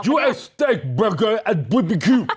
ยูเอสสเต๊กเบรคเกอร์แอนด์เบบิคิว